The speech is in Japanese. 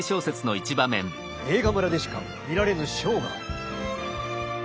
映画村でしか見られぬショーがある。